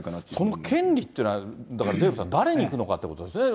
その権利っていうのが、だからデーブさん、誰にいくのかということですね。